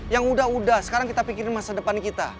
yang udah udah sekarang kita pikirin masa depan kita